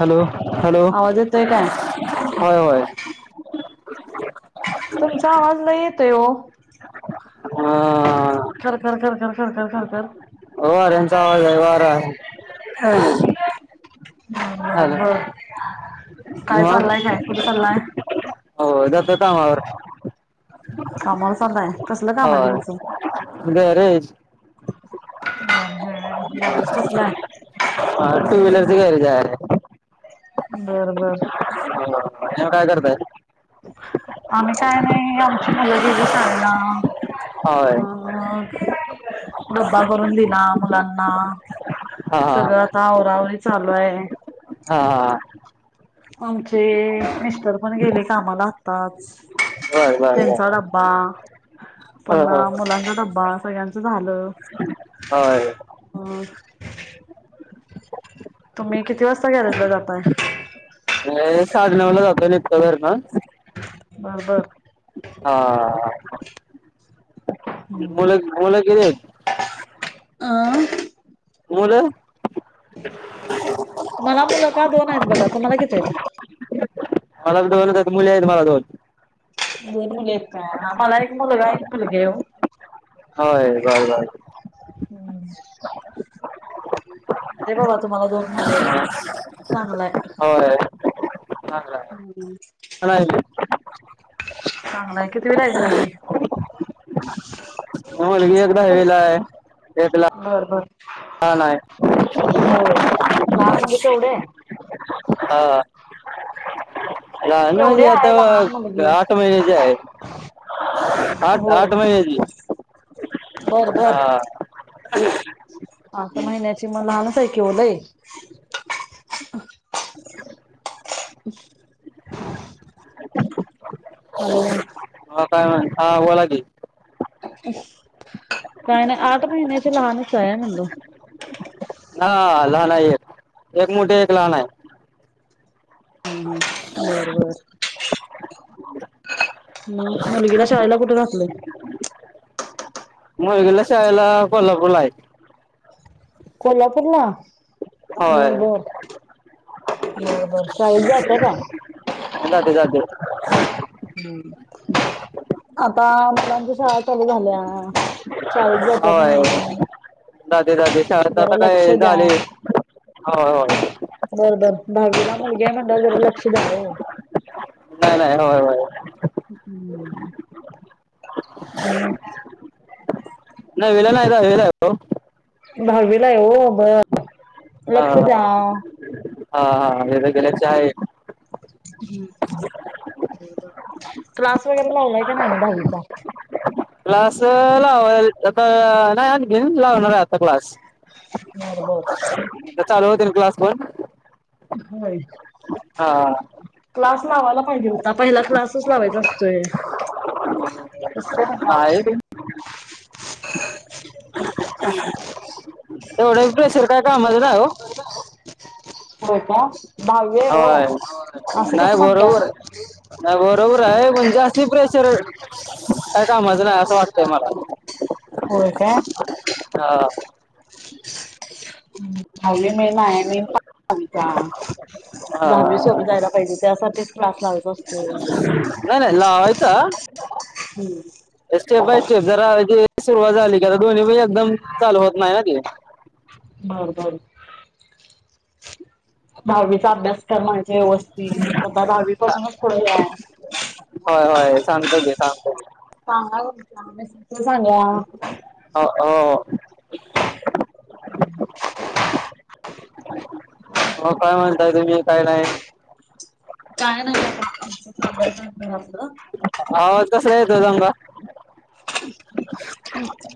Hello, hello आवाज येतोय काय? होय, होय. तुमचा आवाज लय येतोय ओ अ खर खर खर खर खर खर खर खर. वाऱ्यांचा आवाज आहे वारा झालं बर, काय मग चालाय काय कुठे चालाय? हो, जातो कामावर. कामाला चालाय, कसलं काम आहे होय तुमचं? गॅरेज [unintelligible] कसलं आहे? हा, टू व्हीलर गॅरेज हाय बरोबर हो, तुम्ही काय करताय? आम्ही काय नाय, आमची मुलं गेली शाळेला होय म अ डब्बा करून दिला मुलांना हा सगळ हा आता आवराअवरी चालूये हा हाहा. आमचे मिस्टर पण गेले कामाला आताच बर बर बर त्यांचा डब बा, हो पण हो मुलांचा डब्बा सगळ्यांचं झालं होय [unintelligible] तुम्ही किती वाजता गॅरेजला जाताय? हे, साडे नऊला जातो निघतो घरन बरोबर. हा हाहा. मुलं, मुलं किती आहेत? अं मुलं मला मुल का दोन आहेत बघा, तुम्हाला किती आहेत? [inaudible] मला दोनच मुली आहेत मला बघा दोन दोन मुली हायत का हा मला एक मुलगा एक मुलगी आहे ओ होय बर बर. हम्म म्हणजे बाबा तुम्हाला दोन मुली आहेत चांगल ये होय चांगलाये. चांगलंय कितविला आहे मुलगी? मुलगी एक दहावीला आहे एक ला बर बर लहान आहे. होय लहान म्हणजे केवढे हा लहान केवढे म्हणजे आहे लहान मुलगी आता आठ महिन्याची आहे. आठ होय आठ महिन्याची बर बर हा आता महिन्याची मग लहानच आहे की ओ लई [inaudible] हॅलो हा काय म्ह हा बोला की काय नाही आठ महिन्याची लहानच आहे म्हणलं. हा लहान आहे एक एक मोठी एक लहान आहे. बर बर मग मुलगीला शाळेला कुठ घातलं. मुलगीला शाळेला कोलपूरला ये. कोल्हापूर ला होय बर बर ब बर शाळेत जात्या काय? जाते जाते. हम्म आता मुलांच्या शाळा चालू झाल्या. शाळेत जात्या का होय नाही जाते जाते शाळात जरा आता लक्ष काय द्या. झाले. होय होय‌. बरं बर दहावीला मुलगी आहे म्हणल्यावर जरा लक्ष द्या ओ नाही नाही होय होय. हम्म हम्म नववीला नाई दहावीला आहे तो दहावीला आहे हो बर लक्ष द्या. हा हा हा हा क्लास वगैरे लावलाय काय नाही मग दहावीचा? क्लास लावायल आता नाही आणखीन लावणार ये आता क्लास बर बर चालू होतीन क्लास पण होय. हा क्लास लावायला पाहिजे होता पहिला क्लासच लावायचा असतोय. कसकाय नाही लावला. तेवढं प्रेशर काय कामाच नाय ओ हो का दहावी आहे हो होय असं नाही कसं म्हणताय. बरोबर नाही बरोबर आहे पण जास्ती प्रेशर काय कामच नाही असं वाटतंय मला होय का? हा. हवले नाही माया [unintelligible] म्हंत्या. हा दहावी सोपी जायला पाहिजे, त्यासाठीच क्लास लावायचा असतो. नाही नाही लावायचा. हुं. स्टेप बाय स्टेप, जरा सुरुवात झाली का दोन्ही प एकदम चालू होत नाही हा ते. बर बर. [inaudible] दहावीचा अभ्यास कर म्हणायच व्यवस्थित, आता दहावी पासूनच पुढं हे हाय. व्हय व्हय, सांगतो घे सांगतो घे. कामा [unintelligible] मस्त झालीया. हा अ ओ. [inaudible] हो काय म्हणताय तुम्ही काय नाही? काय नाही साध आपलं चालू हाय काम घरातलं. आवाज कसला येतोय सांगा? ह् [unintelligible]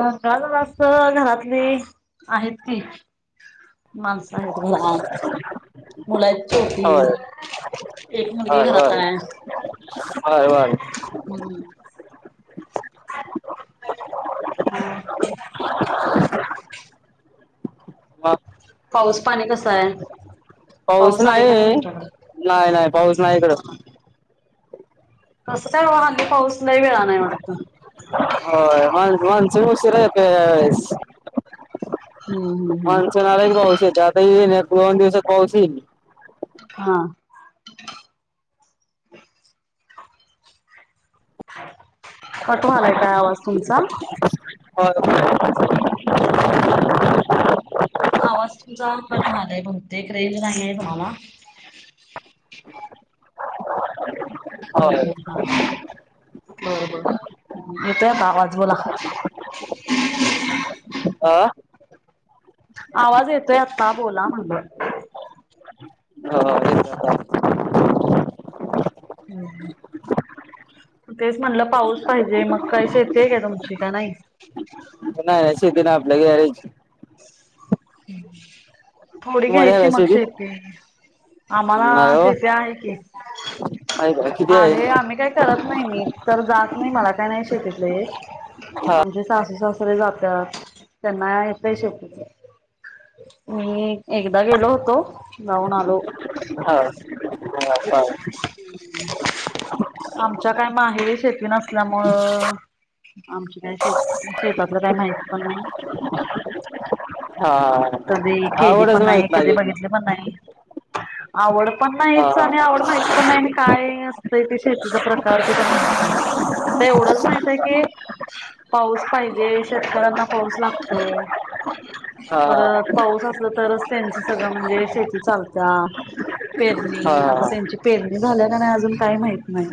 दंगा जरास घरातली आहेत की माणस हायेत घरात, मुल हायित छोटी. होय एक मुलगी बर घरात बर हाय. बर बर हूम्म. हम् [inaudible] मग पाऊस पाणी कसं हाय? पाऊस नाही, नाही नाही पाऊस नाही इकडं. कस काय बाबा? हल्ली पाऊस लई वेळा न हाय वाटत. हो माण मानसून उशीरा येतोय ह्यावेळेस. हुं. हू. माणसून आला की पाऊस येतो, आता येईन एक दोन दिवसात पाऊस येईल. हा. कट व्हालाय काय आवाज तुमचा? [unintelligible] आवाज तुमचा कट व्हालाय, बहुतेक रेंज नाही आहे तुम्हाला. [inaudible] होय का? हा हा बर बर येतोय आता आवाज बोला. अ आवाज येतोय आत्ता बोला म्हणल. हो [inaudible] हुं. तेच म्हणलं पाऊस पाहिजे, मग काय शेती हाय का तुमची का नाही? नाही नाही शेती नाही आपली गॅरेज. ह् थोडी तुम्हाला आहे घ्यायची का मग शेती. आम्हाला नाही हो शेती हाय की. आहे का किती आहे आम्ही काही करत नाही, मी तर जात नाही मला काय नाही शेतीतलं येत. हा आमचे सासू सासरे जातात, त्यांना येतय शेतीच मी एकदा गेलो होतो, जाऊन आलो. हा. [unintelligible] [unintelligible] आमच्या काय माहेरी शेती नसल्यामुळं आमची काय शेती, शेतातलं काय माहित पण नाय. हा कधी केली आवडच पण नाही, माहित कधी बघितली पण नाही, आवड पण हा नाहीच हा आणि आवड माहीत पण नाही काय अस ते ते शेतीचा प्रकार ते पण माहित नाय, फक्त एवढंच माहित आहे की पाऊस पाहिजे, शेतकऱ्यांना पाऊस लागतोय. हा परत हा पाऊस असल तरच त्यांची सगळं म्हणजे शेती चालत्या. हा पेरणी, आता हा. त्यांची पेरणी झाल्या का नाय अजून काय माहित नाय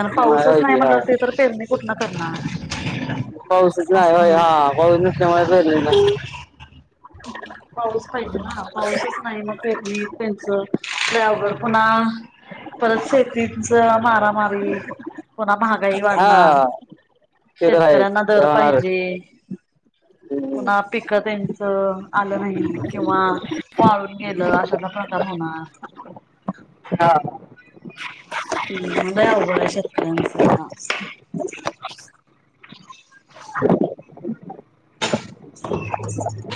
अन नाही पाऊसच होय नाय की हा म्हणल्यावर ते तर पेरणी कुठन करणार. पाऊसच नाय असं व्हय, पण आहे. हा पाऊस नसल्यामुळ पेरलं नसल [unintelligible] पाऊस पाहिजे ना, पाऊसच नाही मग पेरणी त्यांच लय अवघड पुन्हा परत शेतीच मारामारी पुन्हा महाग गरिबांना, हा ते तर आहेच शेतकऱ्यांना ते दर होणारच पाहिजे. पुन्हा पीक तेन त आल नाही किंवा वाळून गेलं अशातला प्रकार होणार. हा हा लय आवघड हाय शेतकऱ्यांच काम. [inaudible]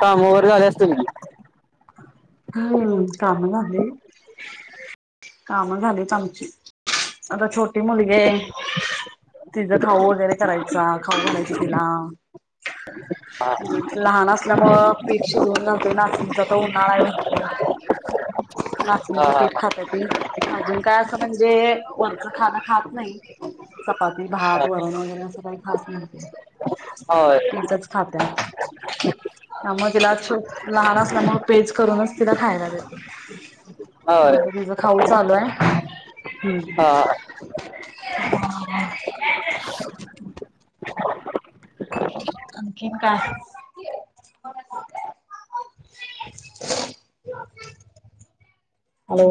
कामं वगैरे झालं असतील ना हम्म, काम झाले कामं झालीत आमची, आता छोटी मुलगी आहे. तिचा खाऊ वगैरे करायचा खाऊ घालायच तिला लहान असल्यामूळ पीठ शिजवून घालतोय नाचणीच, आत्ता उन्हाळा आहे म्हणून. [unintelligible] अच्छा नाचणीच पीठ खात्या ती अजून काय असं म्हणजे वरचं खाणं खात नाही चपाती, भात, वरण वगैरे अस काही खात नाही ती हा होय पेजचं खात. त्यामूळ तिला अस लहान असल्यामुळ पेज करूनच तिला खायला देते, होय मग तीचा खाऊ चालू हाय, हम्म हा आणखीन काय? हॅलो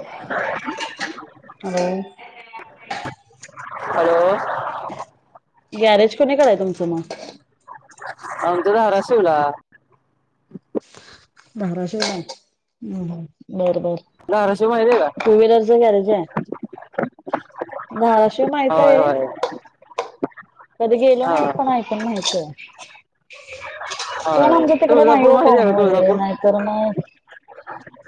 [inaudible] हॅलो हॅलो गॅरेज कोणीकड आहे तुमच मग? आमचं धाराशिवला. धाराशिवला हाय, हं हं, बर बर धाराशिव माहितीय का? टू व्हीलरच गॅरेज आहे, धाराशिव माहित होय आहे. होय कधी गेलो हा नाही पण ऐकून माहीती हाय. कोण होय आमचं तिकडे नाही तुळजापूर हो माहिती आहे पाहुणं का वगैरे तुळजापूर नाही तर मग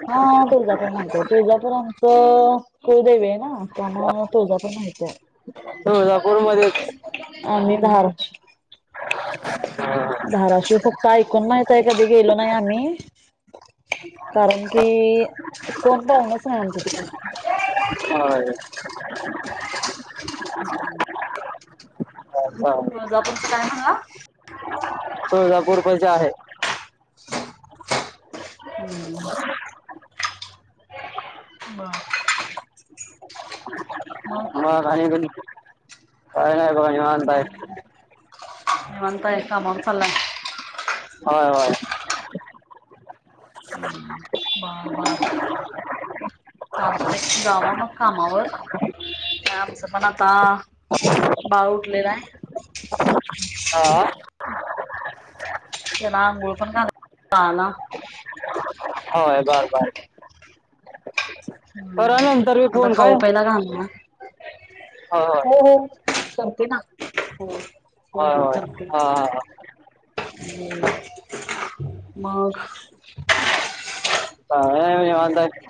हा तुळजापूर माहित आहे तुळजापूर आमचं कुळदेवी आहे ना, त्यामुळ तुळजापूर माहिती आहे. तुळजापूर मध्येच आम्ही भार धाराशिव फक्त ऐकून माहित आहे, कधी गेलो नाही आम्ही. कारण कि, कोण पाहूनच नाही आमच्या तिकडून. आहे. [inaudible] [inaudible] हा [unintelligible] हा. तुळजापूर पछी आहे. [inaudible] [inaudible] बा [inaudible] म. मग काय नाही [unintelligible] काय नाही थोडा निवांत आहे. मग निवांत आहे का? मग चला. [unintelligible] हम् पापा. [inaudible] चालतंय, जावा मग कामावर. नाही आमचं पण आता बाळ उठलेला आहे. हा. त्याला अघोळ पण घालायचं बाळाला. होय बर बर. हुं. करा नंतर मी आता फोन काय खाऊ प्यायला घालणार? होय हो हो. करते ना? हो हो होय होय हो होय करते. हां हां मंग? काय नाही निवांत आहे.